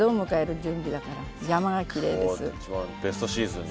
一番ベストシーズンに。